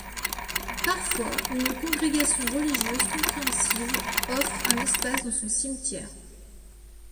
Parfois une congrégation religieuse compréhensive offre un espace dans son cimetière.